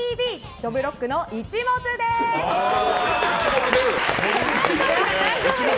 「どぶろっくの一物」です。